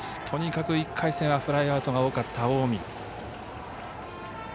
とにかく１回戦はフライアウトが多かった近江。